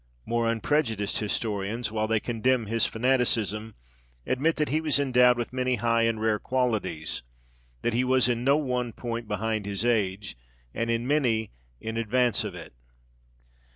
More unprejudiced historians, while they condemn his fanaticism, admit that he was endowed with many high and rare qualities; that he was in no one point behind his age, and in many in advance of it.